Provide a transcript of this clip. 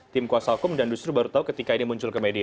tim kuasa hukum dan justru baru tahu ketika ini muncul ke media